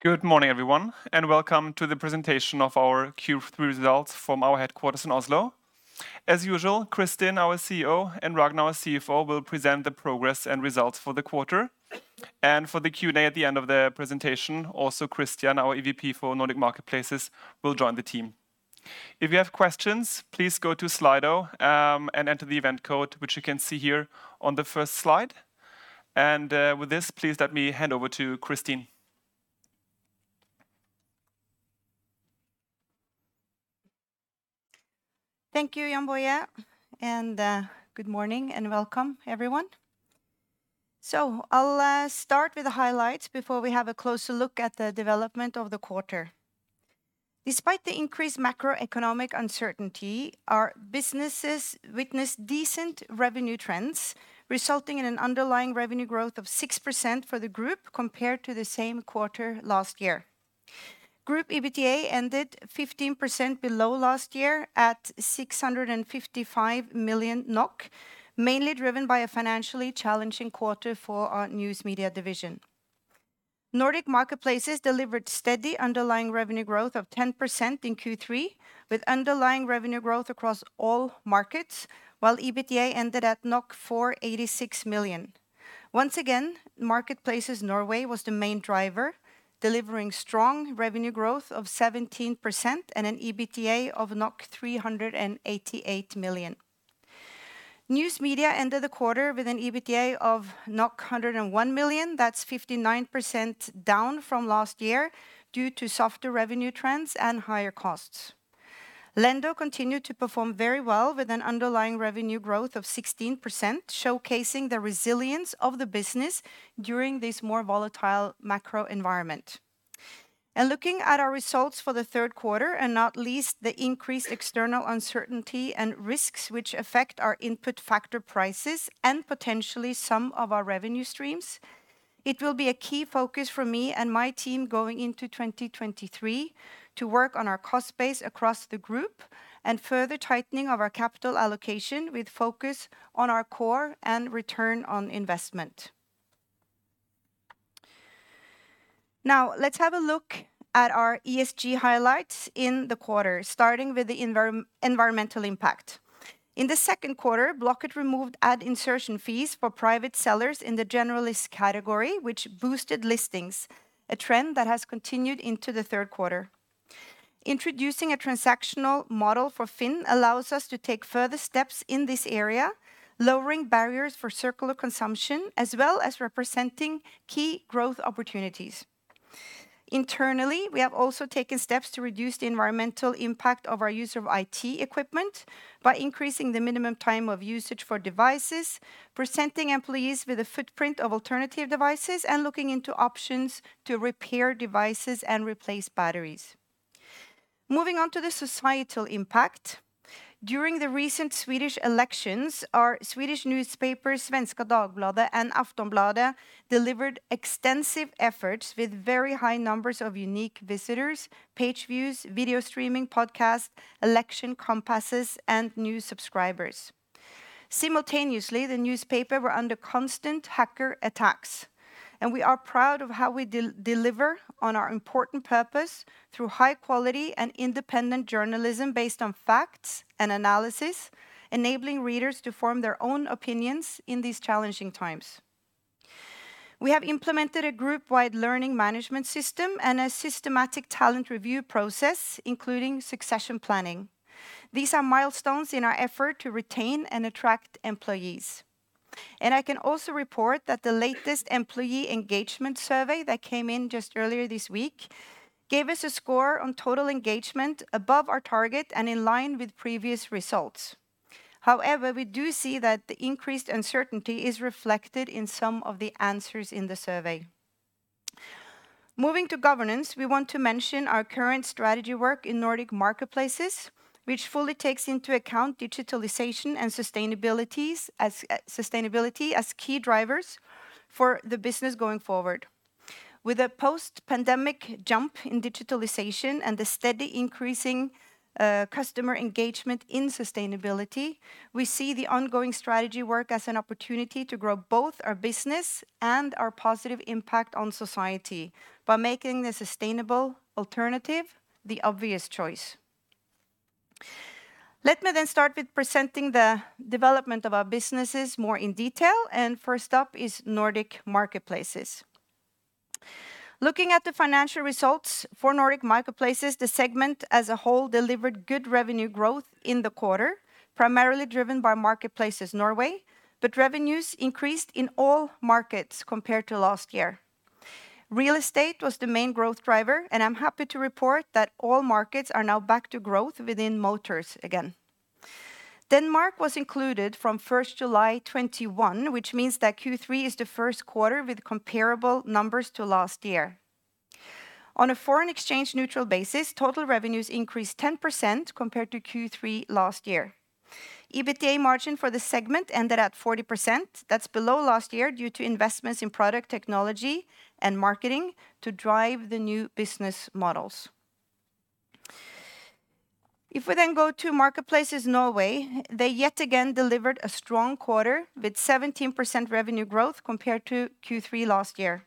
Good morning, everyone, and welcome to the presentation of our Q3 results from our headquarters in Oslo. As usual, Kristin, our CEO, and Ragnar, our CFO, will present the progress and results for the quarter. For the Q&A at the end of the presentation, also Christian, our EVP for Nordic Marketplaces, will join the team. If you have questions, please go to Slido and enter the event code, which you can see here on the first slide. With this, please let me hand over to Kristin. Thank you, Jann-Boje, and good morning and welcome, everyone. I'll start with the highlights before we have a closer look at the development of the quarter. Despite the increased macroeconomic uncertainty, our businesses witnessed decent revenue trends, resulting in an underlying revenue growth of 6% for the group compared to the same quarter last year. Group EBITDA ended 15% below last year at 655 million NOK, mainly driven by a financially challenging quarter for our News Media division. Nordic Marketplaces delivered steady underlying revenue growth of 10% in Q3, with underlying revenue growth across all markets, while EBITDA ended at 486 million. Once again, Marketplaces Norway was the main driver, delivering strong revenue growth of 17% and an EBITDA of 388 million. News Media ended the quarter with an EBITDA of 101 million. That's 59% down from last year due to softer revenue trends and higher costs. Lendo continued to perform very well with an underlying revenue growth of 16%, showcasing the resilience of the business during this more volatile macro environment. Looking at our results for the third quarter, and not least the increased external uncertainty and risks which affect our input factor prices and potentially some of our revenue streams, it will be a key focus for me and my team going into 2023 to work on our cost base across the group and further tightening of our capital allocation with focus on our core and return on investment. Now, let's have a look at our ESG highlights in the quarter, starting with the environmental impact. In the second quarter, Blocket removed ad insertion fees for private sellers in the generalist category, which boosted listings, a trend that has continued into the third quarter. Introducing a transactional model for FINN allows us to take further steps in this area, lowering barriers for circular consumption, as well as representing key growth opportunities. Internally, we have also taken steps to reduce the environmental impact of our use of IT equipment by increasing the minimum time of usage for devices, presenting employees with a footprint of alternative devices, and looking into options to repair devices and replace batteries. Moving on to the societal impact. During the recent Swedish elections, our Swedish newspapers, Svenska Dagbladet and Aftonbladet, delivered extensive efforts with very high numbers of unique visitors, page views, video streaming, podcasts, election compasses, and new subscribers. Simultaneously, the newspaper were under constant hacker attacks, and we are proud of how we deliver on our important purpose through high quality and independent journalism based on facts and analysis, enabling readers to form their own opinions in these challenging times. We have implemented a group-wide learning management system and a systematic talent review process, including succession planning. These are milestones in our effort to retain and attract employees. I can also report that the latest employee engagement survey that came in just earlier this week gave us a score on total engagement above our target and in line with previous results. However, we do see that the increased uncertainty is reflected in some of the answers in the survey. Moving to governance, we want to mention our current strategy work in Nordic Marketplaces, which fully takes into account digitalization and sustainability as key drivers for the business going forward. With a post-pandemic jump in digitalization and the steady increase in customer engagement in sustainability, we see the ongoing strategy work as an opportunity to grow both our business and our positive impact on society by making the sustainable alternative the obvious choice. Let me start with presenting the development of our businesses more in detail, and first up is Nordic Marketplaces. Looking at the financial results for Nordic Marketplaces, the segment as a whole delivered good revenue growth in the quarter, primarily driven by Marketplaces Norway, but revenues increased in all markets compared to last year. Real estate was the main growth driver, and I'm happy to report that all markets are now back to growth within motors again. Denmark was included from first July 2021, which means that Q3 is the first quarter with comparable numbers to last year. On a foreign exchange neutral basis, total revenues increased 10% compared to Q3 last year. EBITDA margin for the segment ended at 40%. That's below last year due to investments in product technology and marketing to drive the new business models. If we then go to Marketplaces Norway, they yet again delivered a strong quarter with 17% revenue growth compared to Q3 last year.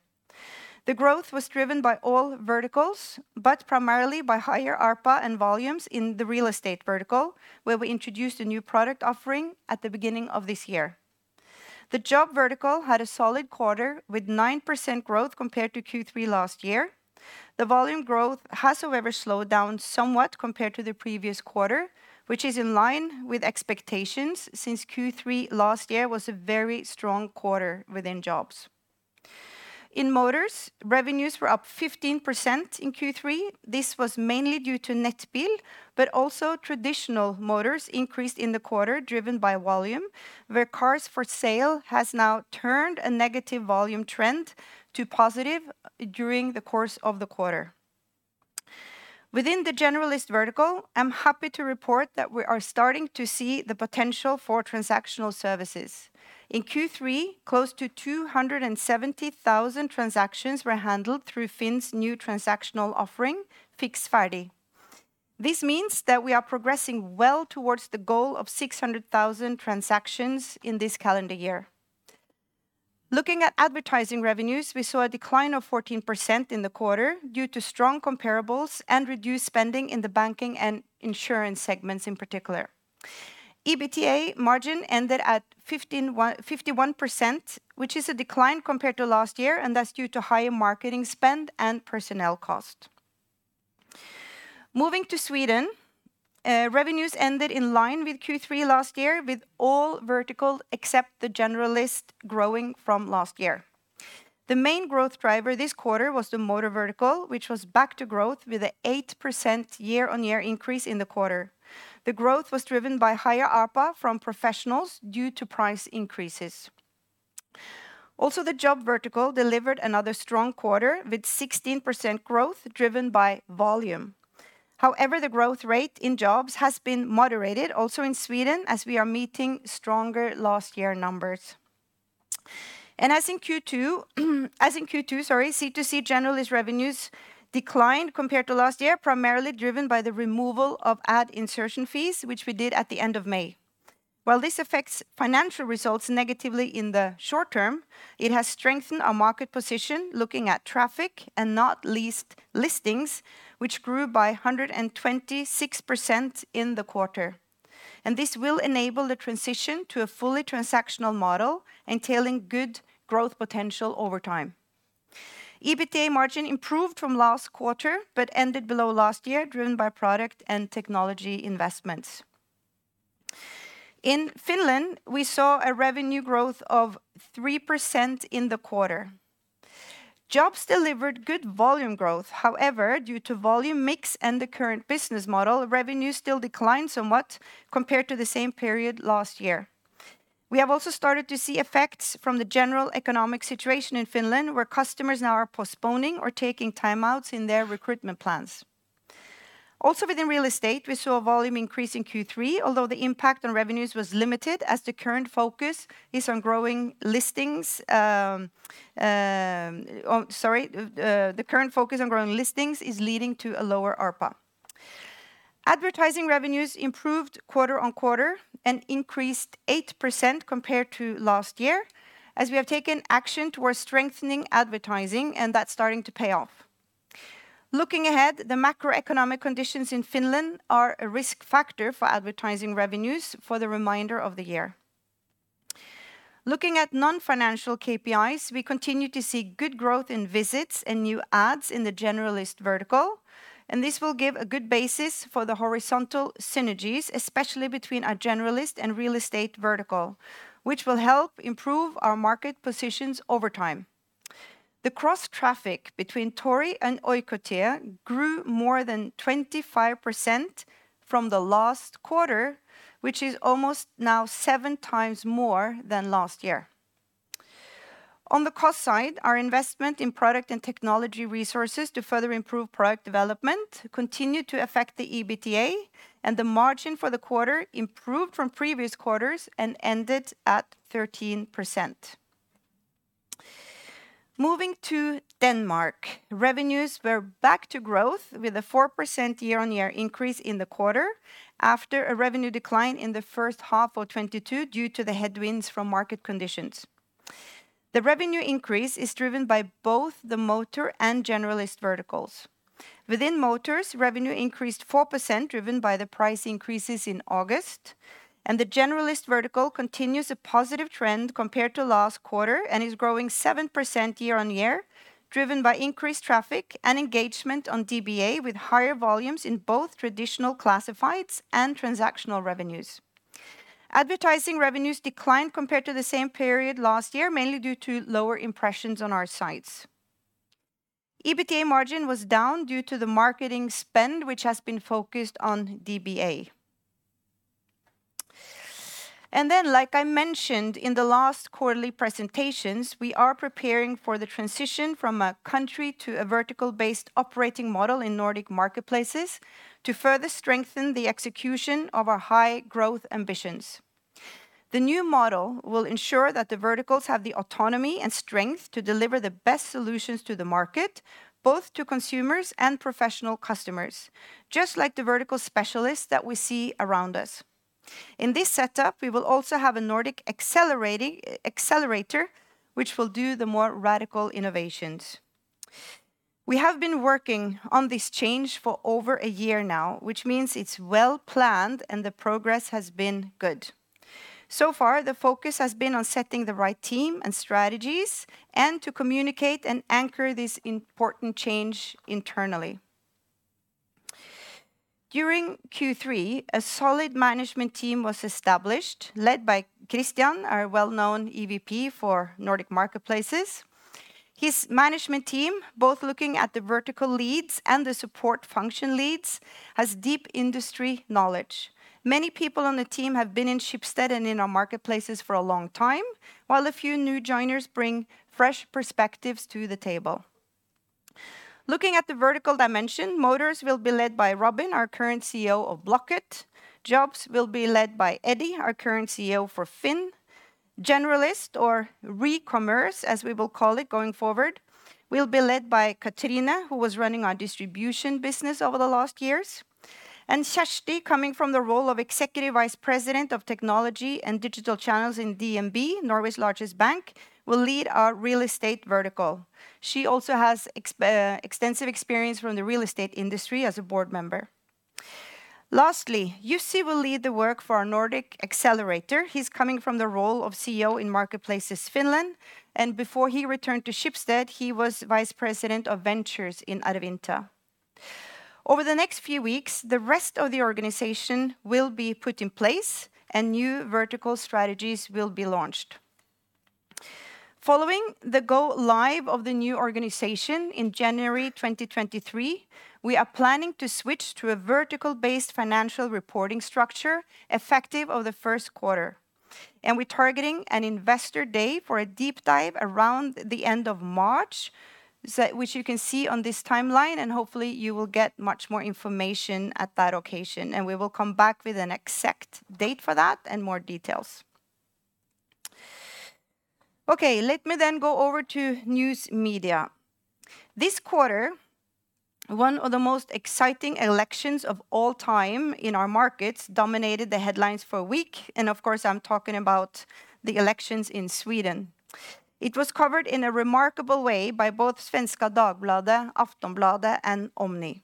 The growth was driven by all verticals, but primarily by higher ARPA and volumes in the real estate vertical, where we introduced a new product offering at the beginning of this year. The job vertical had a solid quarter with 9% growth compared to Q3 last year. The volume growth has, however, slowed down somewhat compared to the previous quarter, which is in line with expectations since Q3 last year was a very strong quarter within jobs. In motors, revenues were up 15% in Q3. This was mainly due to Nettbil, but also traditional motors increased in the quarter driven by volume, where Cars for Sale has now turned a negative volume trend to positive during the course of the quarter. Within the generalist vertical, I'm happy to report that we are starting to see the potential for transactional services. In Q3, close to 0.27 million transactions were handled through FINN's new transactional offering, Fiks Ferdig. This means that we are progressing well towards the goal of 0.6 million transactions in this calendar year. Looking at advertising revenues, we saw a decline of 14% in the quarter due to strong comparables and reduced spending in the banking and insurance segments in particular. EBITDA margin ended at 51%, which is a decline compared to last year, and that's due to higher marketing spend and personnel cost. Moving to Sweden, revenues ended in line with Q3 last year with all vertical except the generalist growing from last year. The main growth driver this quarter was the motor vertical, which was back to growth with an 8% year-on-year increase in the quarter. The growth was driven by higher ARPA from professionals due to price increases. Also, the job vertical delivered another strong quarter with 16% growth driven by volume. However, the growth rate in jobs has been moderated also in Sweden as we are meeting stronger last year numbers. As in Q2, C2C generalist revenues declined compared to last year, primarily driven by the removal of ad insertion fees, which we did at the end of May. While this affects financial results negatively in the short term, it has strengthened our market position looking at traffic and not least listings, which grew by 126% in the quarter. This will enable the transition to a fully transactional model entailing good growth potential over time. EBITDA margin improved from last quarter but ended below last year, driven by product and technology investments. In Finland, we saw a revenue growth of 3% in the quarter. Jobs delivered good volume growth. However, due to volume mix and the current business model, revenue still declined somewhat compared to the same period last year. We have also started to see effects from the general economic situation in Finland, where customers now are postponing or taking timeouts in their recruitment plans. Also within real estate, we saw volume increase in Q3, although the impact on revenues was limited as the current focus is on growing listings. The current focus on growing listings is leading to a lower ARPA. Advertising revenues improved quarter-on-quarter and increased 8% compared to last year as we have taken action towards strengthening advertising, and that's starting to pay off. Looking ahead, the macroeconomic conditions in Finland are a risk factor for advertising revenues for the remainder of the year. Looking at non-financial KPIs, we continue to see good growth in visits and new ads in the generalist vertical, and this will give a good basis for the horizontal synergies, especially between our generalist and real estate vertical, which will help improve our market positions over time. The cross-traffic between Tori and Oikotie grew more than 25% from the last quarter, which is almost now 7x more than last year. On the cost side, our investment in product and technology resources to further improve product development continued to affect the EBITDA, and the margin for the quarter improved from previous quarters and ended at 13%. Moving to Denmark, revenues were back to growth with a 4% year-on-year increase in the quarter after a revenue decline in the first half of 2022 due to the headwinds from market conditions. The revenue increase is driven by both the motor and generalist verticals. Within motors, revenue increased 4% driven by the price increases in August, and the generalist vertical continues a positive trend compared to last quarter and is growing 7% year-on-year, driven by increased traffic and engagement on DBA with higher volumes in both traditional classifieds and transactional revenues. Advertising revenues declined compared to the same period last year, mainly due to lower impressions on our sites. EBITDA margin was down due to the marketing spend, which has been focused on DBA. Like I mentioned in the last quarterly presentations, we are preparing for the transition from a country to a vertical-based operating model in Nordic Marketplaces to further strengthen the execution of our high growth ambitions. The new model will ensure that the verticals have the autonomy and strength to deliver the best solutions to the market, both to consumers and professional customers, just like the vertical specialists that we see around us. In this setup, we will also have a Nordic accelerator which will do the more radical innovations. We have been working on this change for over a year now, which means it's well planned and the progress has been good. So far, the focus has been on setting the right team and strategies and to communicate and anchor this important change internally. During Q3, a solid management team was established, led by Christian, our well-known EVP for Nordic Marketplaces. His management team, both looking at the vertical leads and the support function leads, has deep industry knowledge. Many people on the team have been in Schibsted and in our marketplaces for a long time, while a few new joiners bring fresh perspectives to the table. Looking at the vertical dimension, Motors will be led by Robin, our current CEO of Blocket. Jobs will be led by Eddie, our current CEO for FINN. Generalist or Recommerce, as we will call it going forward, will be led by Cathrine, who was running our distribution business over the last years. Kjersti, coming from the role of Executive Vice President of Technology and Digital Channels in DNB, Norway's largest bank, will lead our real estate vertical. She also has extensive experience from the real estate industry as a board member. Lastly, Jussi will lead the work for our Nordic Accelerator. He's coming from the role of CEO in Marketplaces Finland, and before he returned to Schibsted, he was Vice President of Ventures in Adevinta. Over the next few weeks, the rest of the organization will be put in place and new vertical strategies will be launched. Following the go live of the new organization in January 2023, we are planning to switch to a vertical-based financial reporting structure effective over the first quarter, and we're targeting an investor day for a deep dive around the end of March, which you can see on this timeline, and hopefully you will get much more information at that occasion. We will come back with an exact date for that and more details. Okay. Let me then go over to News Media. This quarter, one of the most exciting elections of all time in our markets dominated the headlines for a week, and of course, I'm talking about the elections in Sweden. It was covered in a remarkable way by both Svenska Dagbladet, Aftonbladet, and Omni.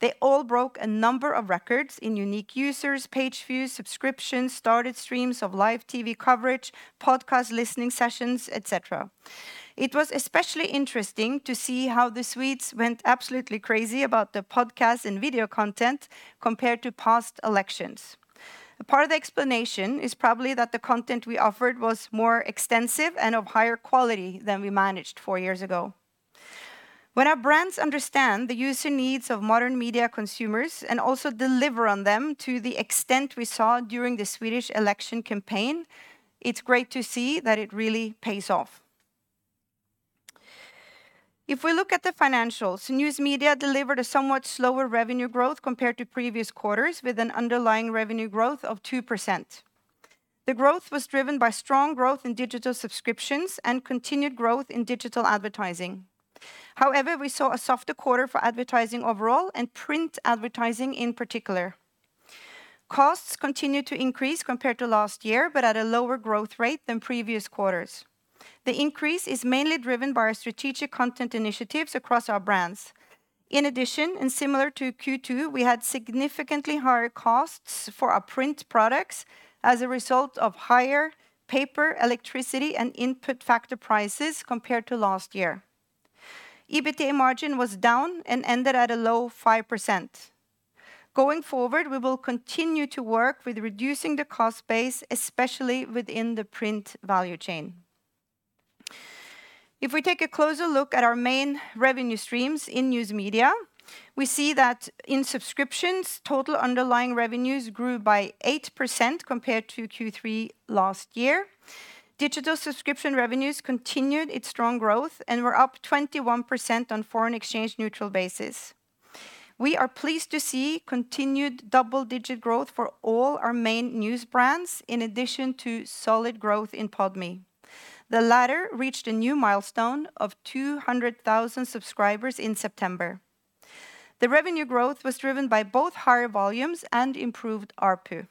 They all broke a number of records in unique users, page views, subscriptions, started streams of live TV coverage, podcast listening sessions, et cetera. It was especially interesting to see how the Swedes went absolutely crazy about the podcast and video content compared to past elections. A part of the explanation is probably that the content we offered was more extensive and of higher quality than we managed four years ago. When our brands understand the user needs of modern media consumers and also deliver on them to the extent we saw during the Swedish election campaign, it's great to see that it really pays off. If we look at the financials, News Media delivered a somewhat slower revenue growth compared to previous quarters, with an underlying revenue growth of 2%. The growth was driven by strong growth in digital subscriptions and continued growth in digital advertising. However, we saw a softer quarter for advertising overall and print advertising in particular. Costs continued to increase compared to last year, but at a lower growth rate than previous quarters. The increase is mainly driven by our strategic content initiatives across our brands. In addition, and similar to Q2, we had significantly higher costs for our print products as a result of higher paper, electricity, and input factor prices compared to last year. EBITDA margin was down and ended at a low 5%. Going forward, we will continue to work with reducing the cost base, especially within the print value chain. If we take a closer look at our main revenue streams in News Media, we see that in subscriptions, total underlying revenues grew by 8% compared to Q3 last year. Digital subscription revenues continued its strong growth and were up 21% on foreign exchange neutral basis. We are pleased to see continued double-digit growth for all our main news brands in addition to solid growth in Podme. The latter reached a new milestone of 200,000 subscribers in September. The revenue growth was driven by both higher volumes and improved ARPU.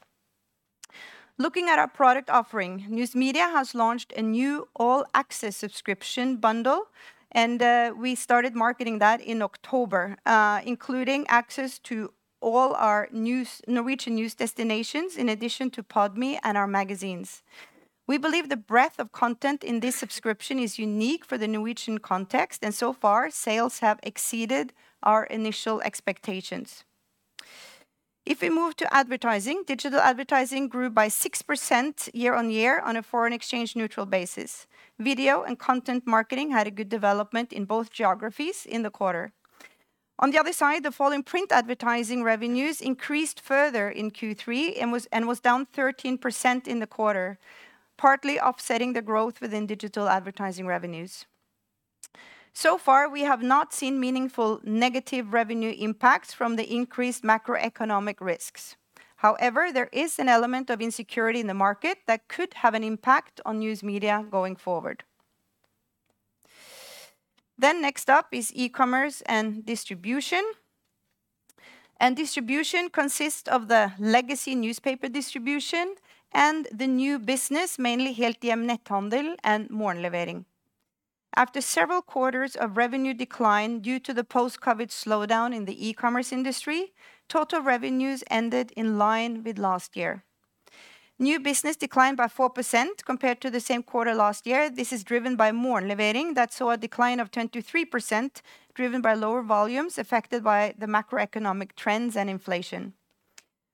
Looking at our product offering, News Media has launched a new all-access subscription bundle, and we started marketing that in October, including access to all our Norwegian news destinations in addition to Podme and our magazines. We believe the breadth of content in this subscription is unique for the Norwegian context, and so far, sales have exceeded our initial expectations. If we move to advertising, digital advertising grew by 6% year-on-year on a foreign-exchange-neutral basis. Video and content marketing had a good development in both geographies in the quarter. On the other side, the fall in print advertising revenues increased further in Q3 and was down 13% in the quarter, partly offsetting the growth within digital advertising revenues. So far, we have not seen meaningful negative revenue impacts from the increased macroeconomic risks. However, there is an element of insecurity in the market that could have an impact on News Media going forward. Next up is eCommerce and Distribution. Distribution consists of the legacy newspaper distribution and the new business, mainly Helthjem Netthandel and Morgenlevering. After several quarters of revenue decline due to the post-COVID slowdown in the eCommerce industry, total revenues ended in line with last year. New business declined by 4% compared to the same quarter last year. This is driven by Morgenlevering that saw a decline of 23% driven by lower volumes affected by the macroeconomic trends and inflation.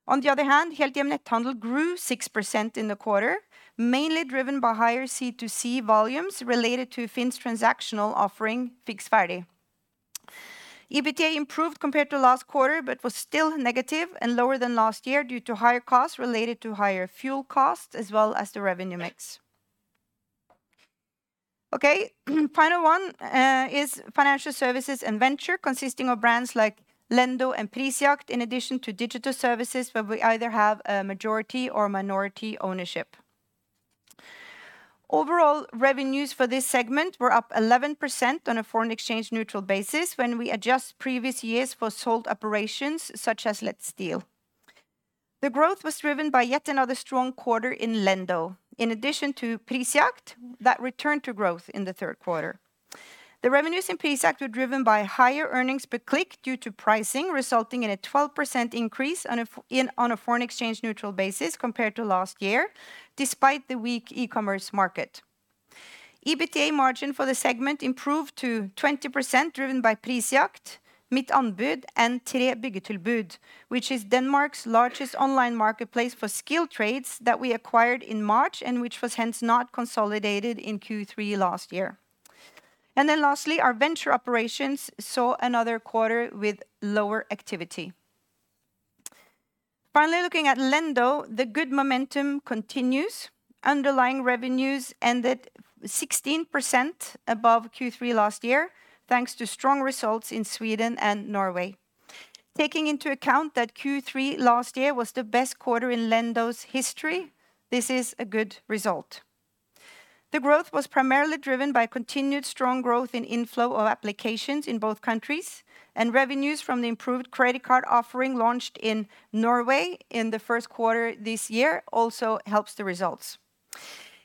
On the other hand, Helthjem Netthandel grew 6% in the quarter, mainly driven by higher C2C volumes related to FINN's transactional offering, Fiks Ferdig. EBITDA improved compared to last quarter, but was still negative and lower than last year due to higher costs related to higher fuel costs as well as the revenue mix. Okay, final one, is Financial Services and Venture, consisting of brands like Lendo and Prisjakt, in addition to digital services where we either have a majority or minority ownership. Overall, revenues for this segment were up 11% on a foreign exchange neutral basis when we adjust previous years for sold operations such as Let's Deal. The growth was driven by yet another strong quarter in Lendo, in addition to Prisjakt that returned to growth in the third quarter. The revenues in Prisjakt were driven by higher earnings per click due to pricing, resulting in a 12% increase on a foreign exchange neutral basis compared to last year, despite the weak eCommerce market. EBITDA margin for the segment improved to 20%, driven by Prisjakt, Mittanbud, and 3byggetilbud, which is Denmark's largest online marketplace for skill trades that we acquired in March and which was hence not consolidated in Q3 last year. Lastly, our venture operations saw another quarter with lower activity. Finally, looking at Lendo, the good momentum continues. Underlying revenues ended 16% above Q3 last year, thanks to strong results in Sweden and Norway. Taking into account that Q3 last year was the best quarter in Lendo's history, this is a good result. The growth was primarily driven by continued strong growth in inflow of applications in both countries and revenues from the improved credit card offering launched in Norway in the first quarter this year also helps the results.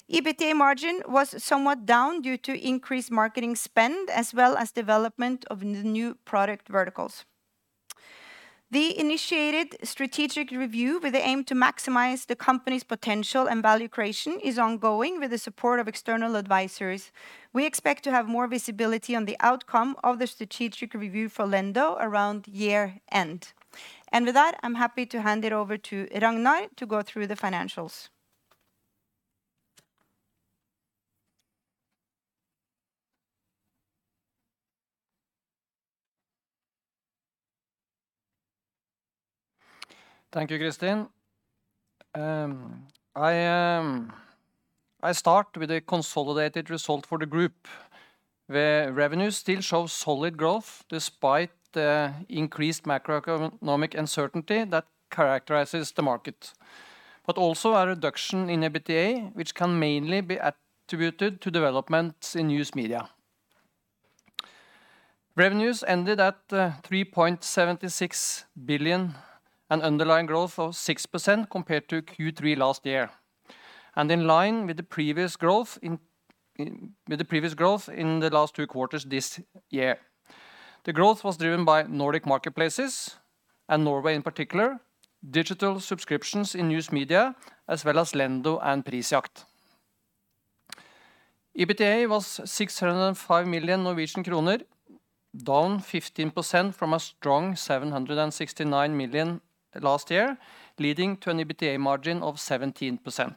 EBITDA margin was somewhat down due to increased marketing spend as well as development of new product verticals. The initiated strategic review with the aim to maximize the company's potential and value creation is ongoing with the support of external advisors. We expect to have more visibility on the outcome of the strategic review for Lendo around year-end. With that, I'm happy to hand it over to Ragnar to go through the financials. Thank you, Kristin. I start with a consolidated result for the group, where revenues still show solid growth despite the increased macroeconomic uncertainty that characterizes the market. Also a reduction in EBITDA, which can mainly be attributed to developments in News Media. Revenues ended at 3.76 billion, an underlying growth of 6% compared to Q3 last year, and in line with the previous growth in the last two quarters this year. The growth was driven by Nordic Marketplaces and Marketplaces Norway in particular, digital subscriptions in News Media, as well as Lendo and Prisjakt. EBITDA was 605 million Norwegian kroner, down 15% from a strong 769 million last year, leading to an EBITDA margin of 17%.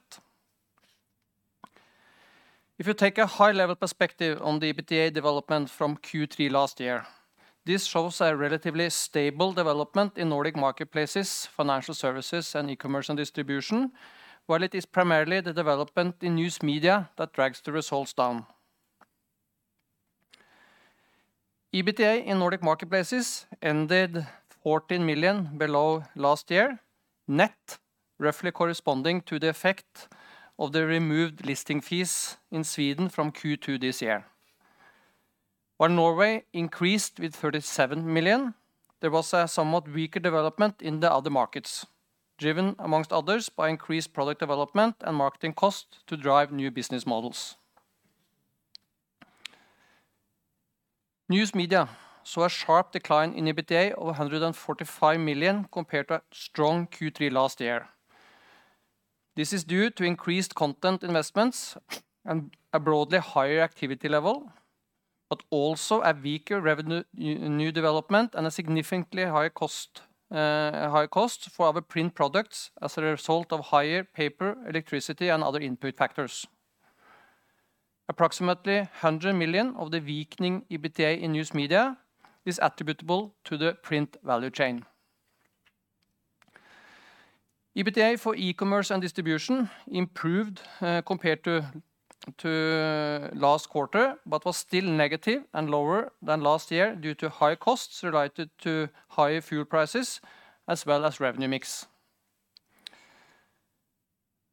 If you take a high-level perspective on the EBITDA development from Q3 last year, this shows a relatively stable development in Nordic Marketplaces, Financial Services, and eCommerce and Distribution, while it is primarily the development in News Media that drags the results down. EBITDA in Nordic Marketplaces ended 14 million below last year, net roughly corresponding to the effect of the removed listing fees in Sweden from Q2 this year. While Norway increased with 37 million, there was a somewhat weaker development in the other markets, driven among others by increased product development and marketing costs to drive new business models. News Media saw a sharp decline in EBITDA of 145 million compared to a strong Q3 last year. This is due to increased content investments and a broadly higher activity level, but also a weaker revenue new development and a significantly higher cost for our print products as a result of higher paper, electricity, and other input factors. Approximately 100 million of the weakening EBITDA in News Media is attributable to the print value chain. EBITDA for eCommerce and distribution improved, compared to last quarter, but was still negative and lower than last year due to high costs related to higher fuel prices as well as revenue mix.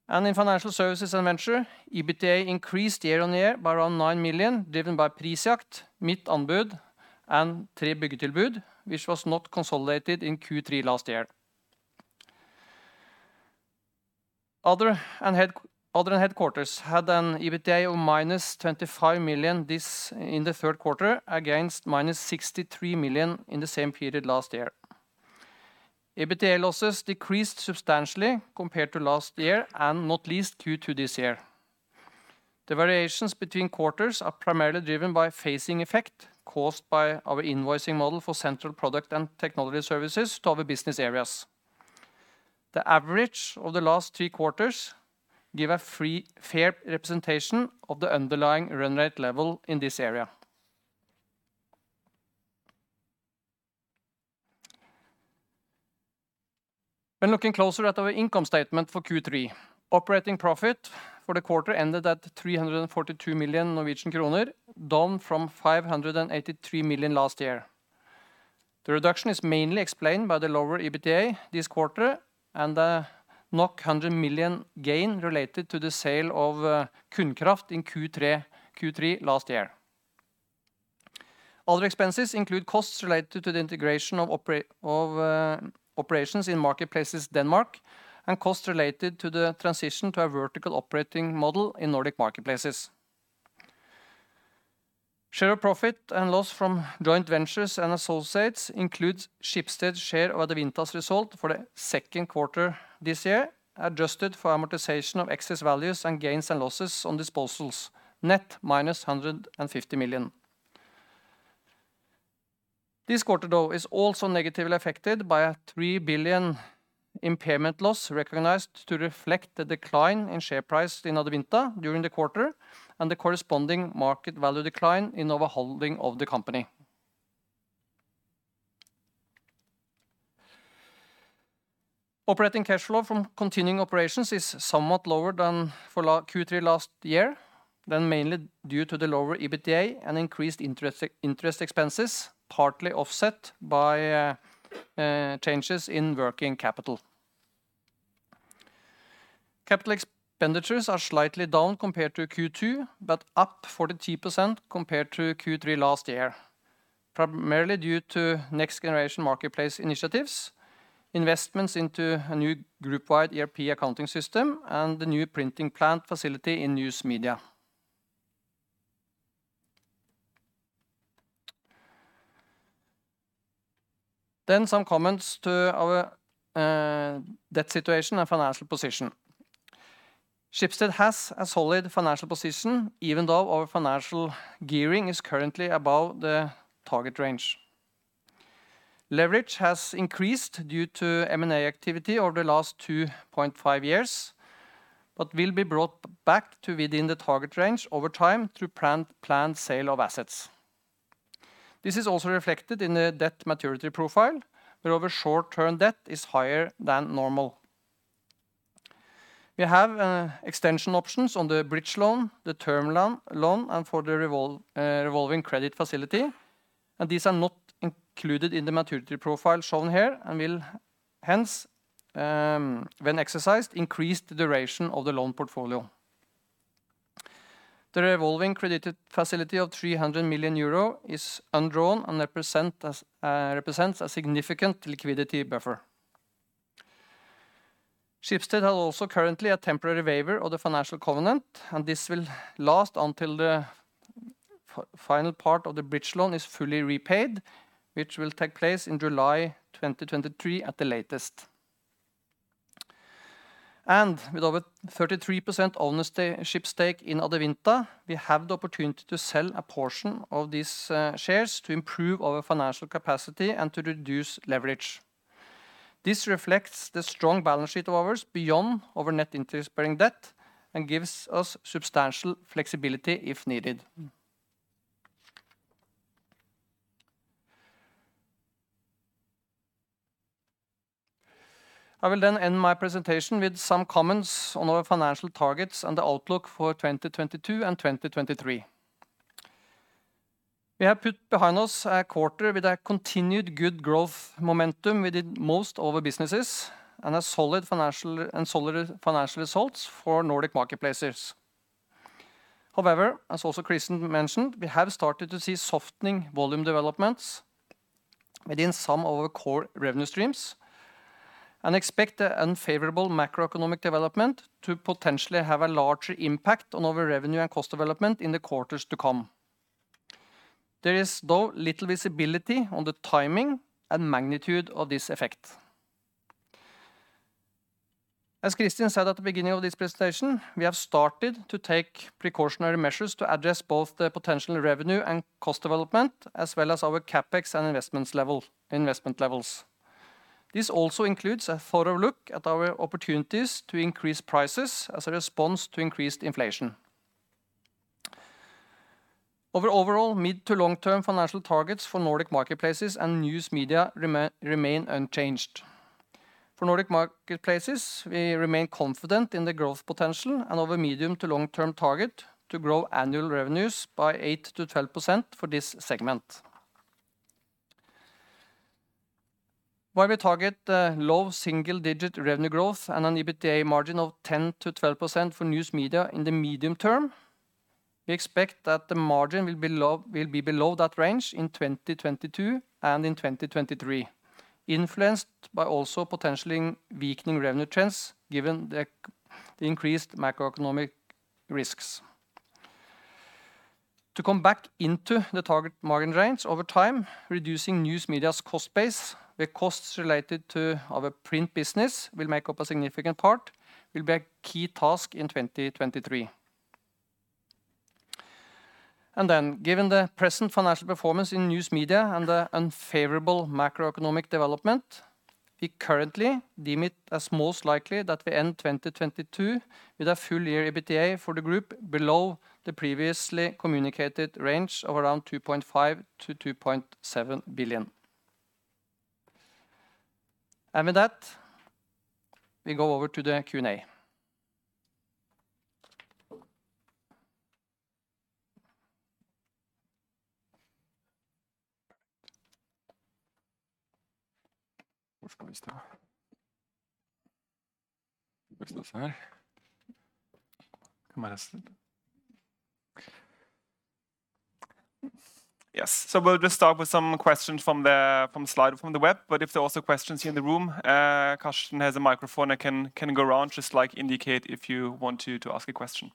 In financial services and venture, EBITDA increased year-on-year by around 9 million, driven by Prisjakt, Mittanbud, and 3byggetilbud, which was not consolidated in Q3 last year. Other and headquarters had an EBITDA of -25 million, this in the third quarter, against -63 million in the same period last year. EBITDA losses decreased substantially compared to last year, and not least Q2 this year. The variations between quarters are primarily driven by phasing effect caused by our invoicing model for central product and technology services to other business areas. The average of the last three quarters give a fair representation of the underlying run rate level in this area. When looking closer at our income statement for Q3, operating profit for the quarter ended at 342 million Norwegian kroner, down from 583 million last year. The reduction is mainly explained by the lower EBITDA this quarter and 100 million gain related to the sale of Kundkraft in Q3 last year. Other expenses include costs related to the integration of of operations in Marketplaces Denmark and costs related to the transition to a vertical operating model in Nordic Marketplaces. Share of profit and loss from joint ventures and associates includes Schibsted's share of Adevinta's result for the second quarter this year, adjusted for amortization of excess values and gains and losses on disposals, net -150 million. This quarter, though, is also negatively affected by a 3 billion impairment loss recognized to reflect the decline in share price in Adevinta during the quarter and the corresponding market value decline in our holding of the company. Operating cash flow from continuing operations is somewhat lower than for Q3 last year, mainly due to the lower EBITDA and increased interest expenses, partly offset by changes in working capital. Capital expenditures are slightly down compared to Q2, but up 40% compared to Q3 last year, primarily due to next-generation marketplace initiatives, investments into a new group-wide ERP accounting system, and the new printing plant facility in News Media. Some comments to our debt situation and financial position. Schibsted has a solid financial position, even though our financial gearing is currently above the target range. Leverage has increased due to M&A activity over the last 2.5 years, but will be brought back to within the target range over time through planned sale of assets. This is also reflected in the debt maturity profile, where our short-term debt is higher than normal. We have extension options on the bridge loan, the term loan, and for the revolving credit facility, and these are not included in the maturity profile shown here and will hence, when exercised, increase the duration of the loan portfolio. The revolving credit facility of 300 million euro is undrawn and represents a significant liquidity buffer. Schibsted has also currently a temporary waiver of the financial covenant, and this will last until the final part of the bridge loan is fully repaid, which will take place in July 2023 at the latest. With over 33% ownership stake in Adevinta, we have the opportunity to sell a portion of these shares to improve our financial capacity and to reduce leverage. This reflects the strong balance sheet of ours beyond our net interest-bearing debt and gives us substantial flexibility if needed. I will then end my presentation with some comments on our financial targets and the outlook for 2022 and 2023. We have put behind us a quarter with a continued good growth momentum within most of our businesses and solid financial results for Nordic Marketplaces. However, as also Kristin mentioned, we have started to see softening volume developments within some of our core revenue streams and expect the unfavorable macroeconomic development to potentially have a larger impact on our revenue and cost development in the quarters to come. There is, though, little visibility on the timing and magnitude of this effect. As Christian said at the beginning of this presentation, we have started to take precautionary measures to address both the potential revenue and cost development, as well as our CapEx and investment levels. This also includes a thorough look at our opportunities to increase prices as a response to increased inflation. Our overall mid- to long-term financial targets for Nordic Marketplaces and News Media remain unchanged. For Nordic Marketplaces, we remain confident in the growth potential and our medium- to long-term target to grow annual revenues by 8%-12% for this segment. While we target low single-digit revenue growth and an EBITDA margin of 10%-12% for News Media in the medium term, we expect that the margin will be below that range in 2022 and in 2023, influenced by also potentially weakening revenue trends given the increased macroeconomic risks. To come back into the target margin range over time, reducing News Media's cost base, where costs related to our print business will make up a significant part, will be a key task in 2023. Given the present financial performance in News Media and the unfavorable macroeconomic development, we currently deem it as most likely that we end 2022 with a full-year EBITDA for the group below the previously communicated range of around 2.5 billion-2.7 billion. With that, we go over to the Q&A. Yes. We'll just start with some questions from the slide from the web. If there are also questions here in the room, Carsten has a microphone that can go around. Just like indicate if you want to ask a question.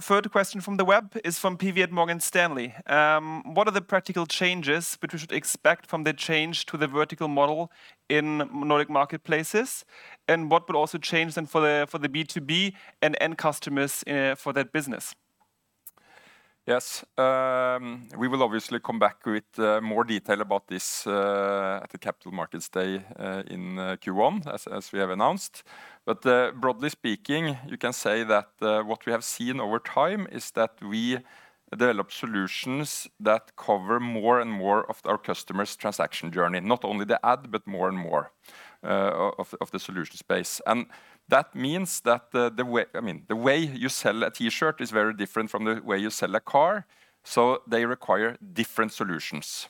First question from the web is from Avi at Morgan Stanley. What are the practical changes which we should expect from the change to the vertical model in Nordic Marketplaces? And what will also change then for the B2B and end customers for that business? Yes. We will obviously come back with more detail about this at the Capital Markets Day in Q1, as we have announced. Broadly speaking, you can say that what we have seen over time is that we develop solutions that cover more and more of our customers' transaction journey, not only the ad, but more and more of the solution space. I mean, that means that the way you sell a T-shirt is very different from the way you sell a car, so they require different solutions.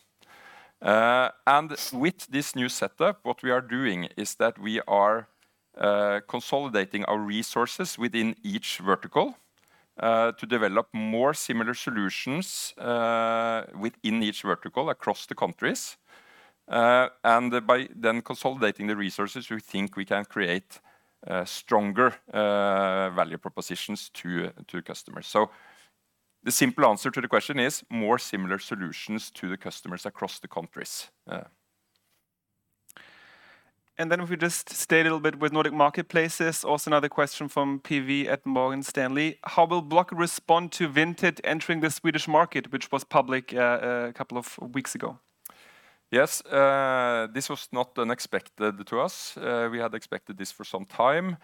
With this new setup, what we are doing is that we are consolidating our resources within each vertical to develop more similar solutions within each vertical across the countries. By then, consolidating the resources, we think we can create stronger value propositions to customers. The simple answer to the question is more similar solutions to the customers across the countries. If we just stay a little bit with Nordic Marketplaces, also another question from PV at Morgan Stanley. How will Blocket respond to Vinted entering the Swedish market, which was public, a couple of weeks ago? Yes. This was not unexpected to us. We had expected this for some time.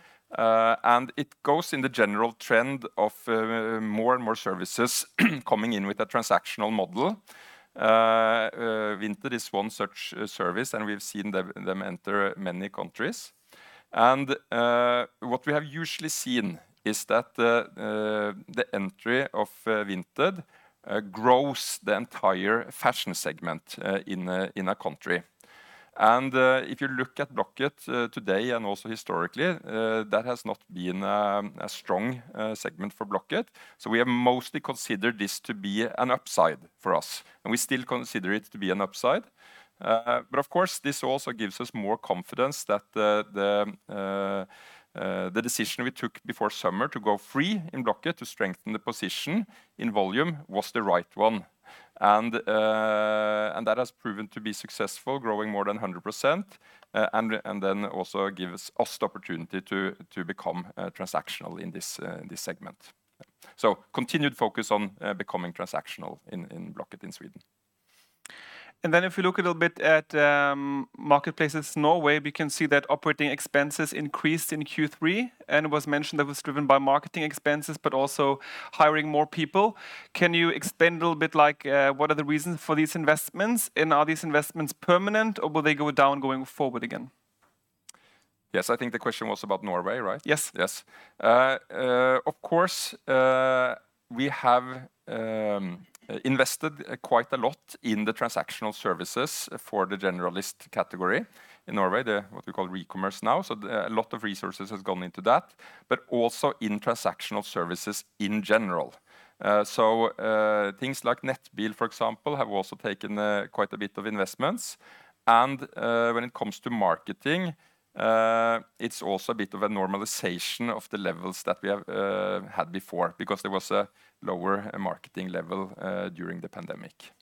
It goes in the general trend of more and more services coming in with a transactional model. Vinted is one such service, and we've seen them enter many countries. What we have usually seen is that the entry of Vinted grows the entire fashion segment in a country. If you look at Blocket today and also historically, that has not been a strong segment for Blocket. We have mostly considered this to be an upside for us, and we still consider it to be an upside. Of course, this also gives us more confidence that the decision we took before summer to go free in Blocket to strengthen the position in volume was the right one. That has proven to be successful, growing more than 100%, and then also gives us the opportunity to become transactional in this segment. Continued focus on becoming transactional in Blocket in Sweden. If we look a little bit at Marketplaces Norway, we can see that operating expenses increased in Q3 and it was mentioned that was driven by marketing expenses but also hiring more people. Can you expand a little bit, like, what are the reasons for these investments? Are these investments permanent, or will they go down going forward again? Yes. I think the question was about Norway, right? Yes. Yes. Of course, we have invested quite a lot in the transactional services for the generalist category in Norway, the what we call Recommerce now. A lot of resources has gone into that, but also in transactional services in general. Things like Nettbil, for example, have also taken quite a bit of investments. When it comes to marketing, it's also a bit of a normalization of the levels that we have had before because there was a lower marketing level during the pandemic.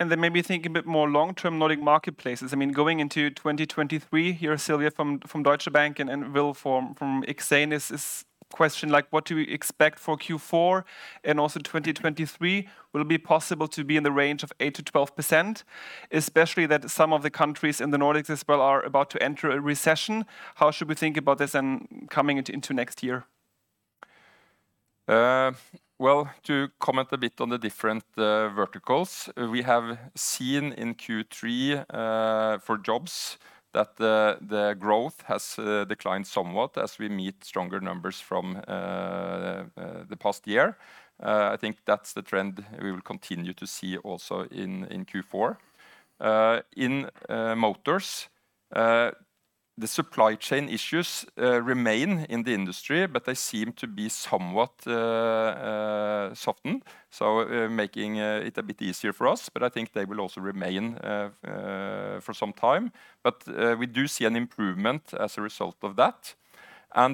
Maybe think a bit more long-term Nordic Marketplaces. I mean, going into 2023, here Silvia from Deutsche Bank and Will from Exane is question like, what do you expect for Q4 and also 2023? Will it be possible to be in the range of 8%-12%, especially that some of the countries in the Nordics as well are about to enter a recession? How should we think about this and coming into next year? Well, to comment a bit on the different verticals, we have seen in Q3 for jobs that the growth has declined somewhat as we meet stronger numbers from the past year. I think that's the trend we will continue to see also in Q4. In motors, the supply chain issues remain in the industry, but they seem to be somewhat softened, so making it a bit easier for us. I think they will also remain for some time. We do see an improvement as a result of that.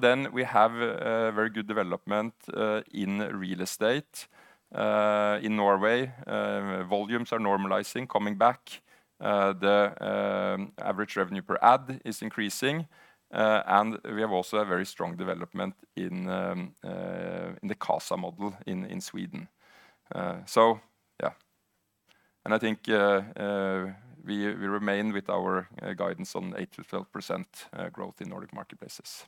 Then we have a very good development in real estate. In Norway, volumes are normalizing, coming back. The average revenue per ad is increasing. We have also a very strong development in the Qasa model in Sweden. Yeah. I think we remain with our guidance on 8%-12% growth in Nordic Marketplaces.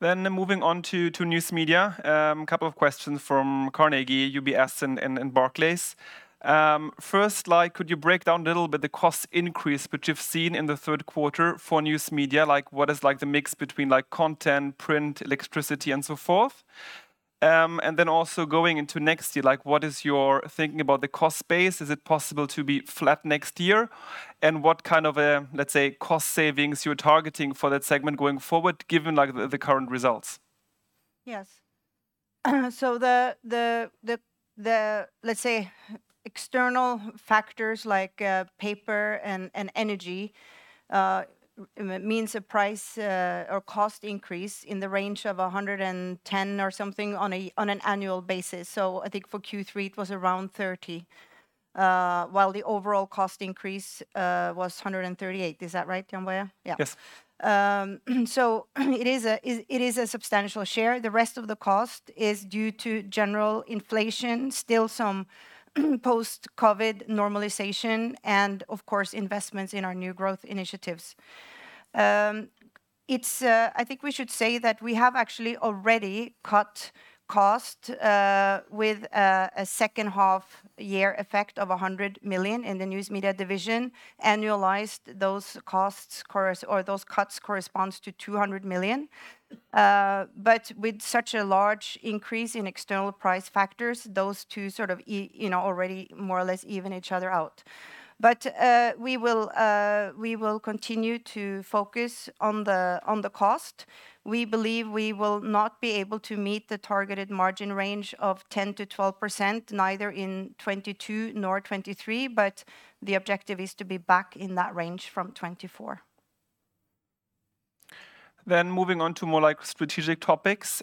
Moving on to News Media. A couple of questions from Carnegie, UBS and Barclays. First, like could you break down a little bit the cost increase which you've seen in the third quarter for News Media? Like what is like the mix between like content, print, electricity and so forth? Then also going into next year, like what is your thinking about the cost base? Is it possible to be flat next year? What kind of a, let's say, cost savings you're targeting for that segment going forward, given like the current results? Yes. Let's say external factors like paper and energy means a price or cost increase in the range of 110 or something on an annual basis. I think for Q3 it was around 30 while the overall cost increase was 138. Is that right, Jann-Boje? Yeah. Yes. It is a substantial share. The rest of the cost is due to general inflation, still some post-COVID normalization and of course investments in our new growth initiatives. I think we should say that we have actually already cut cost with a second half year effect of 100 million in the News Media division. Annualized those costs or those cuts corresponds to 200 million. With such a large increase in external price factors, those two sort of you know, already more or less even each other out. We will continue to focus on the cost. We believe we will not be able to meet the targeted margin range of 10%-12%, neither in 2022 nor 2023, but the objective is to be back in that range from 2024. Moving on to more like strategic topics.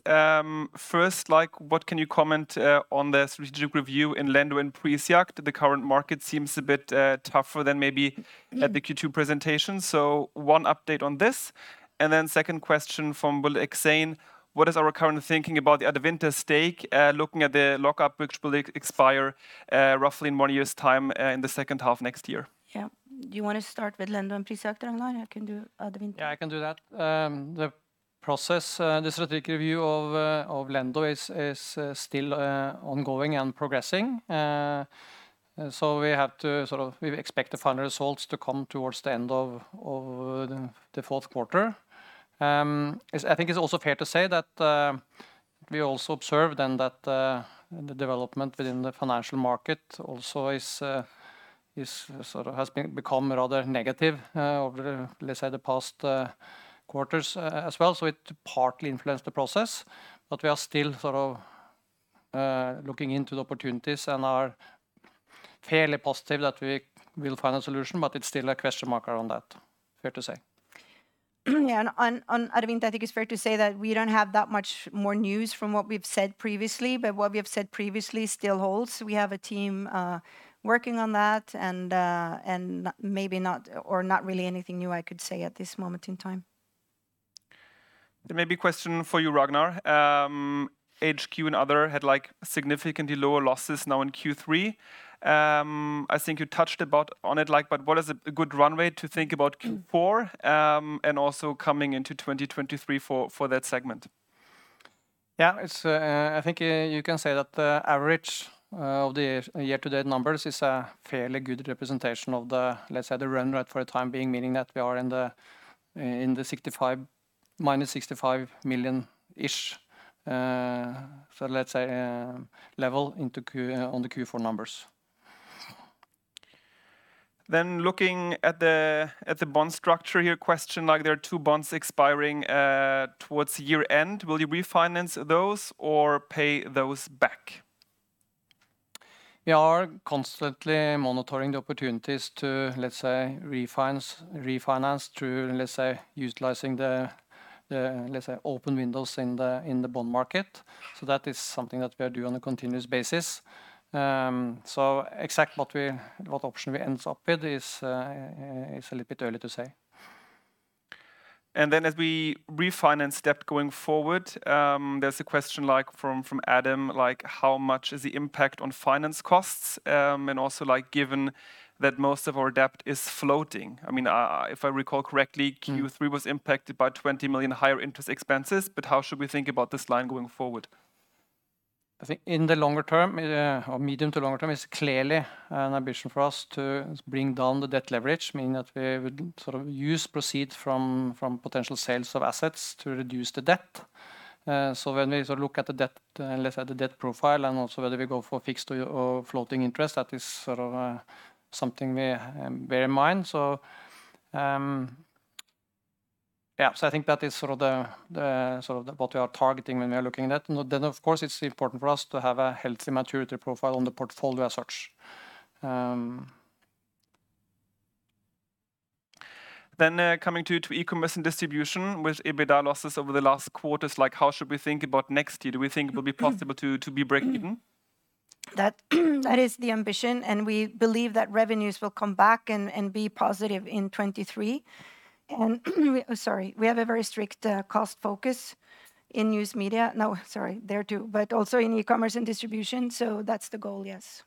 First, like what can you comment on the strategic review in Lendo and Prisjakt? The current market seems a bit tougher than maybe at the Q2 presentation. One update on this. Second question from. What is our current thinking about the Adevinta stake, looking at the lockup which will expire roughly in one year's time, in the second half next year? Yeah. Do you wanna start with Lendo and Prisjakt, Ragnar? I can do Adevinta. Yeah, I can do that. The process, the strategic review of Lendo is still ongoing and progressing. We expect the final results to come towards the end of the fourth quarter. I think it's also fair to say that we also observed then that the development within the financial market also is sort of has become rather negative over, let's say, the past quarters as well. It partly influenced the process, but we are still sort of looking into the opportunities and are fairly positive that we will find a solution, but it's still a question mark on that, fair to say. Yeah, on Adevinta, I think it's fair to say that we don't have that much more news from what we've said previously, but what we have said previously still holds. We have a team working on that and maybe not or not really anything new I could say at this moment in time. There may be a question for you, Ragnar. HQ and other had like significantly lower losses now in Q3. I think you touched on it like but what is a good runway to think about Q4, and also coming into 2023 for that segment? Yeah. It's, I think, you can say that the average of the year-to-date numbers is a fairly good representation of the, let's say, the run rate for the time being, meaning that we are in the, in the -65 million-ish, so let's say, level into Q4 on the Q4 numbers. Looking at the bond structure here, question, like there are two bonds expiring towards year-end. Will you refinance those or pay those back? We are constantly monitoring the opportunities to, let's say, refinance through, let's say, utilizing the let's say open windows in the bond market. That is something that we are doing on a continuous basis. Exactly what option we end up with is a little bit early to say. as we refinance debt going forward, there's a question like from Adam, like how much is the impact on finance costs? Also like given that most of our debt is floating. I mean, if I recall correctly Q3 was impacted by 20 million higher interest expenses, but how should we think about this line going forward? I think in the longer term, or medium to longer term, it's clearly an ambition for us to bring down the debt leverage, meaning that we would sort of use proceeds from potential sales of assets to reduce the debt. When we sort of look at the debt and let's say the debt profile and also whether we go for fixed or floating interest, that is sort of something we bear in mind. Yeah. I think that is sort of the sort of what we are targeting when we are looking at that. Of course, it's important for us to have a healthy maturity profile on the portfolio as such. Coming to eCommerce and distribution with EBITDA losses over the last quarters, like, how should we think about next year? Do we think it will be possible to be breakeven? That is the ambition, and we believe that revenues will come back and be positive in 2023. Sorry. We have a very strict cost focus in News Media. No, sorry, there too, but also in eCommerce and distribution. That's the goal, yes.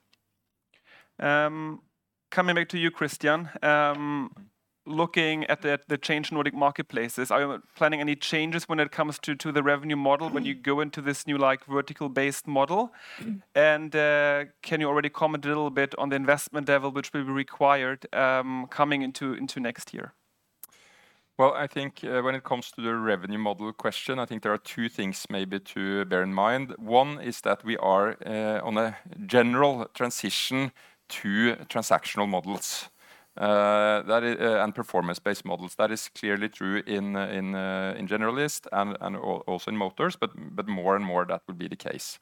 Coming back to you, Christian. Looking at the change in Nordic Marketplaces, are you planning any changes when it comes to the revenue model when you go into this new, like, vertical-based model? Can you already comment a little bit on the investment level which will be required coming into next year? Well, I think when it comes to the revenue model question, I think there are two things maybe to bear in mind. One is that we are on a general transition to transactional models and performance-based models. That is clearly true in Generalist and also in Motors, but more and more that will be the case.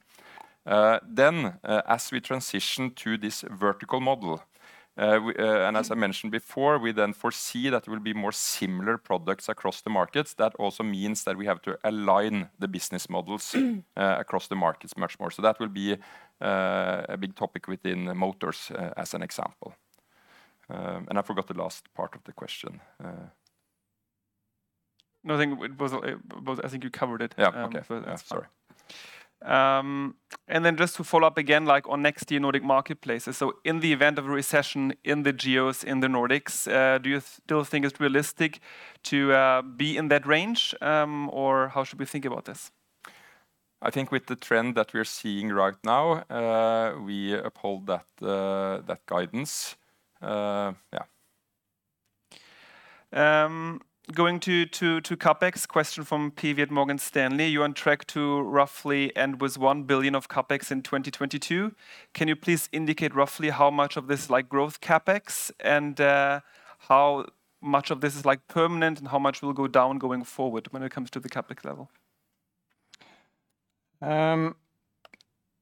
As we transition to this vertical model, and as I mentioned before, we then foresee that it will be more similar products across the markets. That also means that we have to align the business models across the markets much more. That will be a big topic within Motors as an example. I forgot the last part of the question. No, I think it was. I think you covered it. Yeah. Okay. Yeah, sorry. Just to follow up again, like, on next year Nordic Marketplaces. In the event of a recession in the geos in the Nordics, do you still think it's realistic to be in that range, or how should we think about this? I think with the trend that we're seeing right now, we uphold that guidance. Yeah. Going to CapEx, question from Avi at Morgan Stanley. You're on track to roughly end with 1 billion of CapEx in 2022. Can you please indicate roughly how much of this is, like, growth CapEx and how much of this is, like, permanent and how much will go down going forward when it comes to the CapEx level?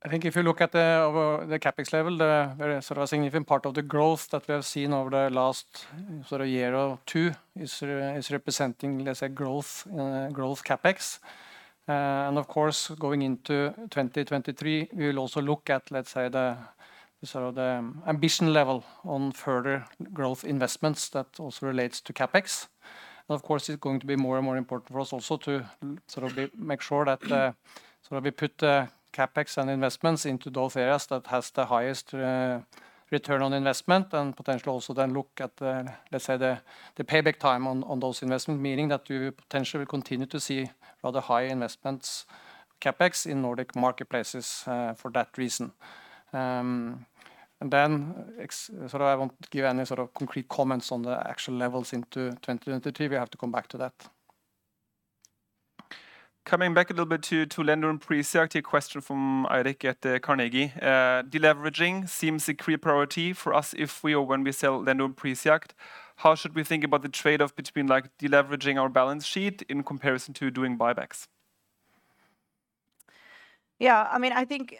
I think if you look at the over the CapEx level, the very sort of significant part of the growth that we have seen over the last sort of year or two is representing, let's say, growth CapEx. Of course, going into 2023, we will also look at, let's say, the sort of the ambition level on further growth investments that also relates to CapEx. Of course, it's going to be more and more important for us also to sort of make sure that, sort of we put CapEx and investments into those areas that has the highest return on investment and potentially also then look at the, let's say, the payback time on those investment, meaning that you potentially will continue to see rather high investments CapEx in Nordic Marketplaces, for that reason. I won't give any sort of concrete comments on the actual levels into 2023. We have to come back to that. Coming back a little bit to Lendo and Prisjakt, a question from Eirik at Carnegie. Deleveraging seems a clear priority for us if we or when we sell Lendo and Prisjakt. How should we think about the trade-off between, like, deleveraging our balance sheet in comparison to doing buybacks? I mean, I think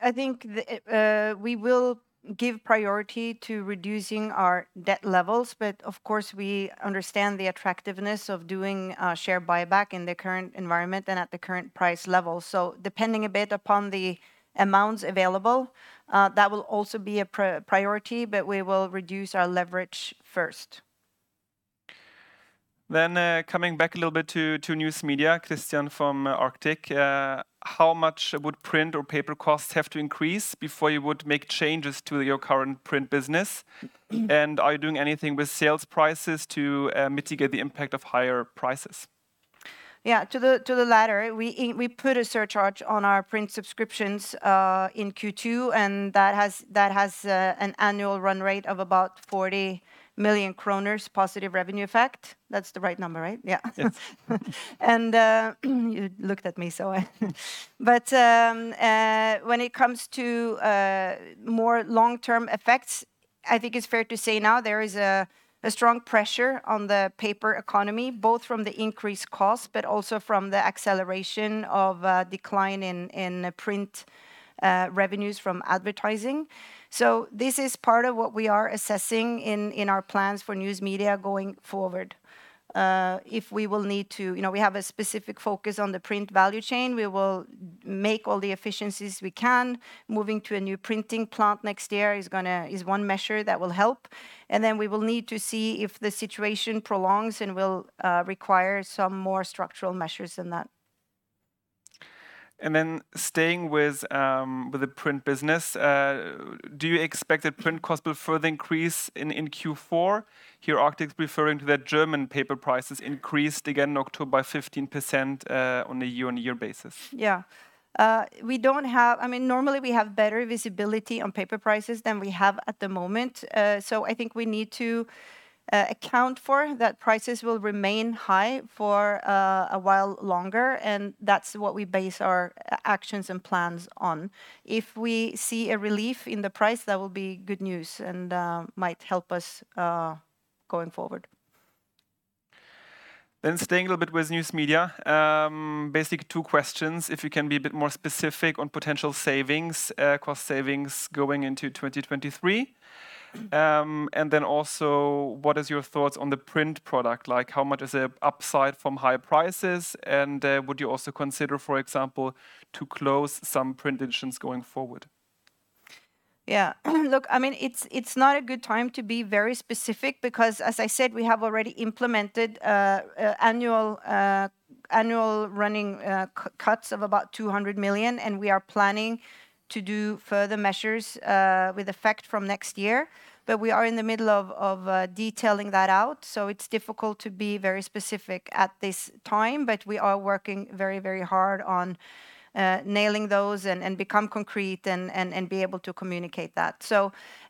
we will give priority to reducing our debt levels, but of course we understand the attractiveness of doing a share buyback in the current environment and at the current price level. Depending a bit upon the amounts available, that will also be a priority, but we will reduce our leverage first. Coming back a little bit to News Media, Christian from Arctic Securities. How much would print or paper costs have to increase before you would make changes to your current print business? Are you doing anything with sales prices to mitigate the impact of higher prices? Yeah, to the latter, we put a surcharge on our print subscriptions in Q2, and that has an annual run rate of about 40 million kroner positive revenue effect. That's the right number, right? Yeah. Yes. When it comes to more long-term effects, I think it's fair to say now there is a strong pressure on the paper economy, both from the increased cost, but also from the acceleration of decline in print revenues from advertising. This is part of what we are assessing in our plans for News Media going forward. If we will need to, you know, we have a specific focus on the print value chain. We will make all the efficiencies we can. Moving to a new printing plant next year is one measure that will help. Then we will need to see if the situation prolongs and will require some more structural measures than that. Staying with the print business, do you expect that print cost will further increase in Q4? Here Arctic's referring to the German paper prices increased again in October by 15% on a year-on-year basis. Yeah. I mean, normally we have better visibility on paper prices than we have at the moment. I think we need to account for that prices will remain high for a while longer, and that's what we base our actions and plans on. If we see a relief in the price, that will be good news and might help us going forward. Staying a little bit with News Media. Basically two questions. If you can be a bit more specific on potential savings, cost savings going into 2023. And then also what is your thoughts on the print product? Like, how much is the upside from higher prices, and, would you also consider, for example, to close some print editions going forward? Yeah. Look, I mean, it's not a good time to be very specific because, as I said, we have already implemented annual running cuts of about 200 million, and we are planning to do further measures with effect from next year. We are in the middle of detailing that out, so it's difficult to be very specific at this time. We are working very, very hard on nailing those and become concrete and be able to communicate that.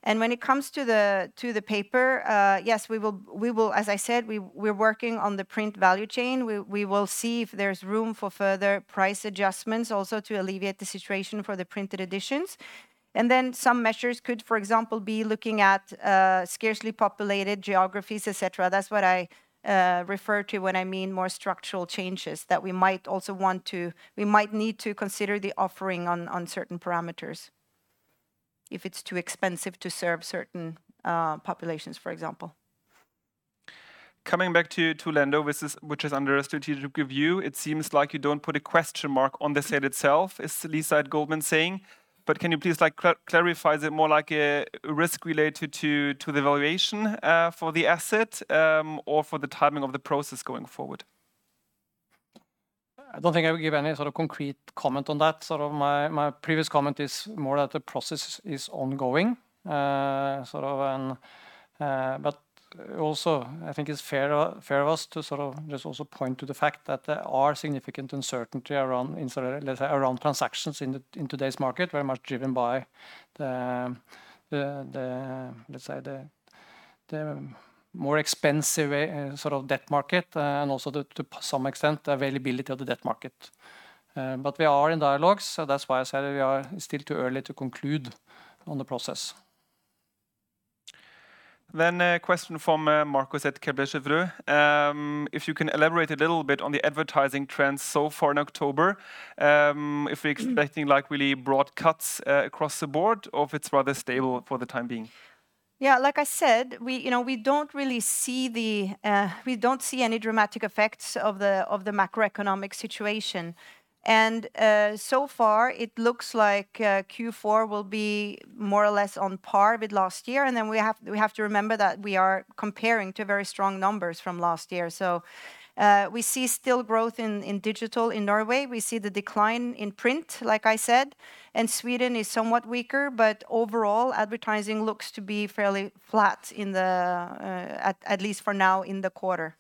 When it comes to the paper, yes, we will. As I said, we're working on the print value chain. We will see if there's room for further price adjustments also to alleviate the situation for the printed editions. Some measures could, for example, be looking at scarcely populated geographies, et cetera. That's what I refer to when I mean more structural changes that we might need to consider the offering on certain parameters if it's too expensive to serve certain populations, for example. Coming back to Lendo, which is under strategic review, it seems like you don't put a question mark on the sale itself, as Lisa at Goldman saying. Can you please, like, clarify? Is it more like a risk related to the valuation for the asset, or for the timing of the process going forward? I don't think I would give any sort of concrete comment on that. Sort of my previous comment is more that the process is ongoing. But also I think it's fair of us to sort of just also point to the fact that there are significant uncertainty around, let's say, around transactions in today's market, very much driven by the, let's say, the more expensive debt market, and also to some extent, the availability of the debt market. But we are in dialogues, so that's why I said we are still too early to conclude on the process. A question from Marcus at Kepler Cheuvreux. If you can elaborate a little bit on the advertising trends so far in October, if we're expecting like really broad cuts across the board or if it's rather stable for the time being. Yeah, like I said, we don't really see any dramatic effects of the macroeconomic situation. So far it looks like Q4 will be more or less on par with last year. We have to remember that we are comparing to very strong numbers from last year. We see still growth in digital in Norway. We see the decline in print, like I said, and Sweden is somewhat weaker. Overall, advertising looks to be fairly flat, at least for now in the quarter.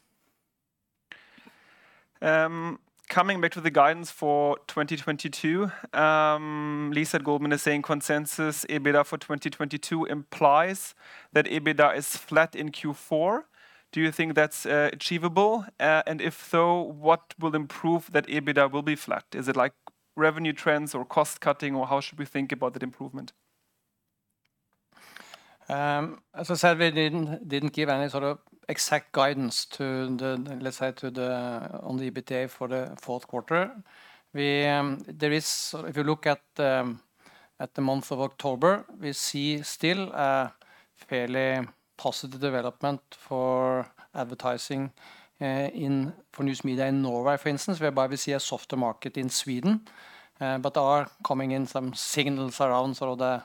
Coming back to the guidance for 2022, Lisa at Goldman Sachs is saying consensus EBITDA for 2022 implies that EBITDA is flat in Q4. Do you think that's achievable? And if so, what will improve that EBITDA will be flat? Is it like revenue trends or cost cutting, or how should we think about that improvement? As I said, we didn't give any sort of exact guidance to the, let's say, on the EBITDA for the fourth quarter. If you look at the month of October, we see still a fairly positive development for advertising for News Media in Norway, for instance, whereby we see a softer market in Sweden. There are coming in some signals around sort of the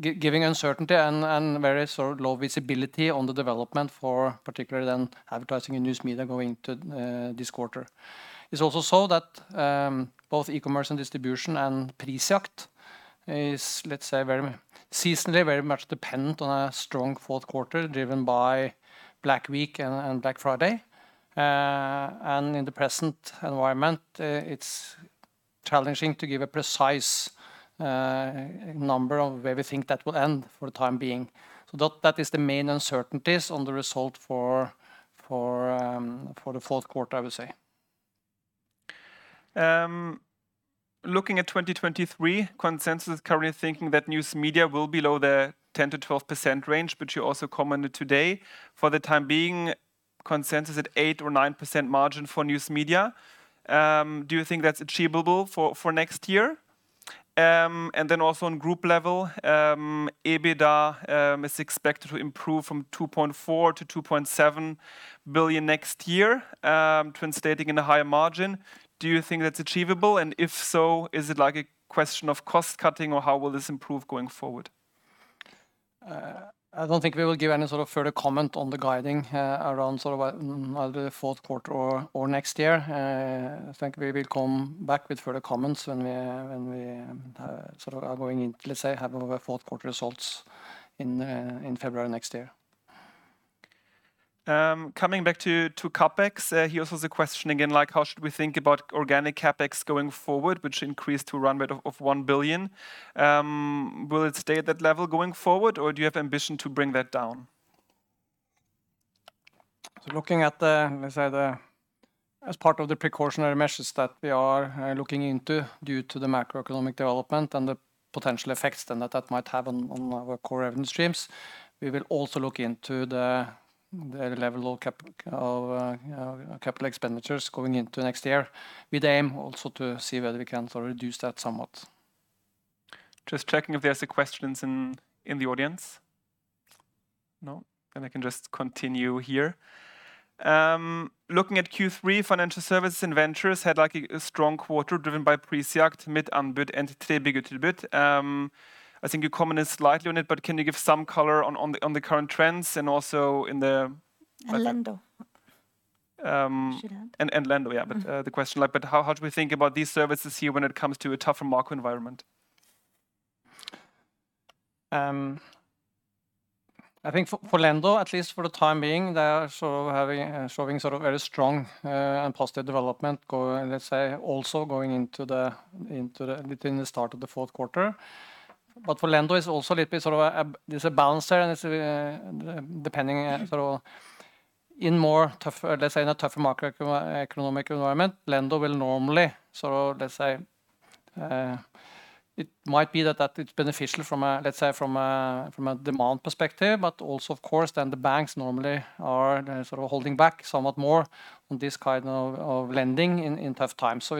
giving uncertainty and very sort of low visibility on the development for particularly then advertising in News Media going to this quarter. It's also so that both eCommerce and distribution and Prisjakt is, let's say, very seasonally very much dependent on a strong fourth quarter driven by Black Week and Black Friday. In the present environment, it's challenging to give a precise number of where we think that will end for the time being. That is the main uncertainties on the result for the fourth quarter, I would say. Looking at 2023, consensus currently thinking that News Media will be below the 10%-12% range, but you also commented today for the time being, consensus at 8% or 9% margin for News Media. Do you think that's achievable for next year? And then also on group level, EBITDA is expected to improve from 2.4 billion to 2.7 billion next year, translating into a higher margin. Do you think that's achievable? If so, is it like a question of cost cutting, or how will this improve going forward? I don't think we will give any sort of further comment on the guidance around sort of either fourth quarter or next year. I think we will come back with further comments when we, let's say, have our fourth quarter results in February next year. Coming back to CapEx, here also is a question again, like how should we think about organic CapEx going forward, which increased to a run rate of 1 billion. Will it stay at that level going forward, or do you have ambition to bring that down? Looking at the, let's say, as part of the precautionary measures that we are looking into due to the macroeconomic development and the potential effects then that might have on our core revenue streams, we will also look into the level of capital expenditures going into next year. We aim also to see whether we can sort of reduce that somewhat. Just checking if there's questions in the audience. No? Then I can just continue here. Looking at Q3, financial services and ventures had like a strong quarter driven by Prisjakt, Mittanbud, and 3byggetilbud. I think you commented slightly on it, but can you give some color on the current trends and also in the- Lendo. Um- Should have. Lendo, yeah. The question like but how do we think about these services here when it comes to a tougher macro environment? I think for Lendo, at least for the time being, they are sort of showing very strong and positive development, let's say also going into the start of the fourth quarter. For Lendo there is also a little bit of a balance there and it's depending sort of on a more tough, let's say in a tougher macroeconomic environment, Lendo will normally sort of, let's say, it might be that it's beneficial from a, let's say, from a demand perspective, but also of course then the banks normally are sort of holding back somewhat more on this kind of lending in tough times.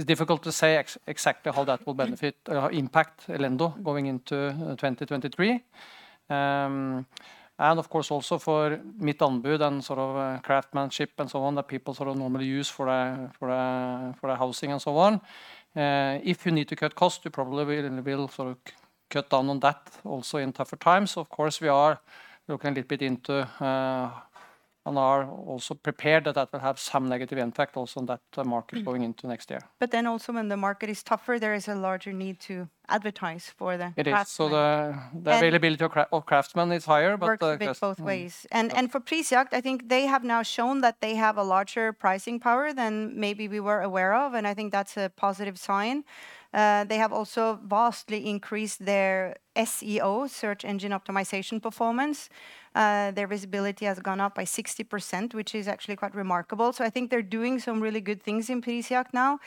It's difficult to say exactly how that will impact Lendo going into 2023. Of course also for Mittanbud and sort of craftsmanship and so on that people sort of normally use for the housing and so on, if you need to cut costs, you probably will sort of cut down on that also in tougher times. Of course, we are looking a little bit into and are also prepared that will have some negative impact also on that market going into next year. When the market is tougher, there is a larger need to advertise for the craftsmen. It is. And- The availability of craftsmen is higher, but yes. ...works a bit both ways. For Prisjakt, I think they have now shown that they have a larger pricing power than maybe we were aware of, and I think that's a positive sign. They have also vastly increased their SEO, search engine optimization performance. Their visibility has gone up by 60%, which is actually quite remarkable. I think they're doing some really good things in Prisjakt now.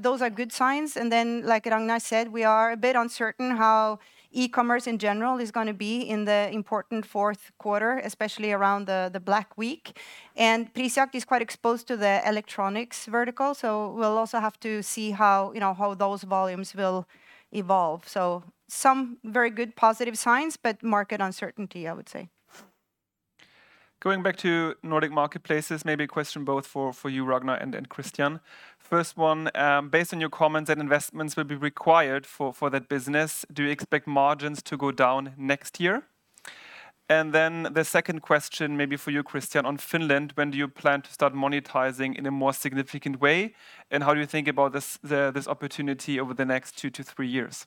Those are good signs. Like Ragnar said, we are a bit uncertain how eCommerce in general is gonna be in the important fourth quarter, especially around the Black Week. Prisjakt is quite exposed to the electronics vertical, so we'll also have to see how, you know, how those volumes will evolve. Some very good positive signs, but market uncertainty, I would say. Going back to Nordic Marketplaces, maybe a question both for you, Ragnar, and then Christian. First one, based on your comments that investments will be required for that business, do you expect margins to go down next year? Then the second question may be for you, Christian. On Finland, when do you plan to start monetizing in a more significant way, and how do you think about this opportunity over the next two to three years?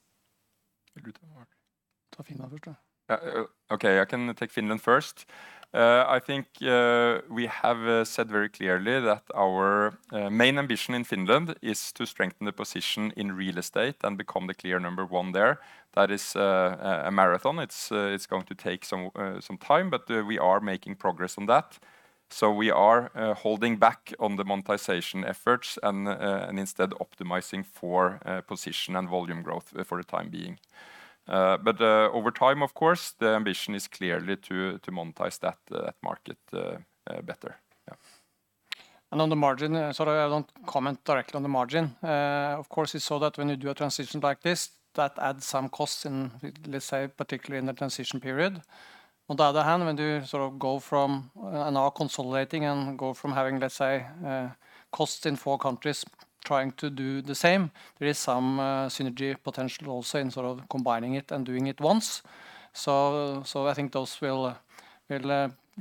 Okay, I can take Finland first. I think we have said very clearly that our main ambition in Finland is to strengthen the position in real estate and become the clear number one there. That is a marathon. It's going to take some time, but we are making progress on that. We are holding back on the monetization efforts and instead optimizing for position and volume growth for the time being. Over time, of course, the ambition is clearly to monetize that market better. Yeah. On the margin, sorry, I don't comment directly on the margin. Of course, you saw that when you do a transition like this, that adds some costs in, let's say, particularly in the transition period. On the other hand, when you sort of go from and are consolidating and go from having, let's say, costs in four countries trying to do the same, there is some synergy potential also in sort of combining it and doing it once. So I think those will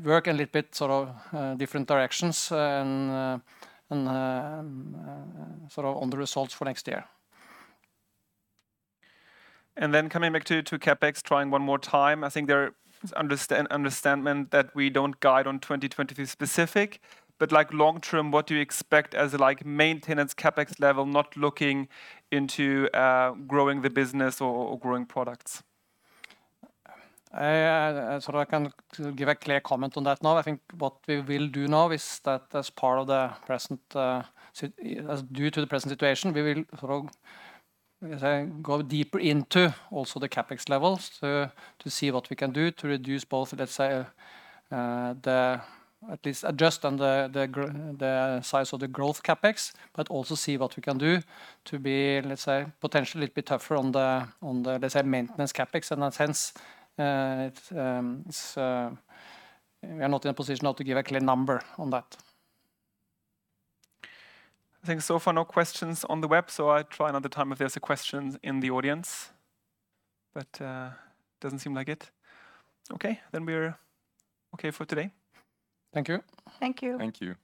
work a little bit sort of different directions and sort of on the results for next year. Coming back to CapEx, trying one more time. I think there is understanding that we don't guide on 2023 specific, but like long term, what do you expect as like maintenance CapEx level, not looking into growing the business or growing products? Sorry, I can't give a clear comment on that now. I think what we will do now is that as part of the present, as due to the present situation, we will sort of, I say, go deeper into also the CapEx levels to see what we can do to reduce both, let's say, the at least adjust on the size of the growth CapEx, but also see what we can do to be, let's say, potentially a little bit tougher on the maintenance CapEx. In that sense, we are not in a position now to give a clear number on that. I think so far no questions on the web, so I try another time if there's a question in the audience. Doesn't seem like it. Okay. We're okay for today. Thank you. Thank you. Thank you.